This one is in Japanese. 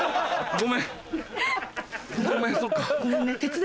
ごめんね。